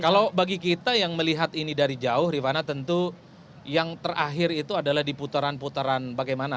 kalau bagi kita yang melihat ini dari jauh rifana tentu yang terakhir itu adalah di putaran putaran bagaimana